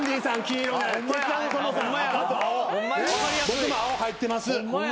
僕も青入ってます。